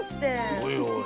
おいおい！